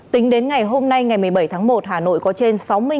tính đến ngày hôm nay ngày một mươi bảy tháng một hà nội có trên sáu mươi người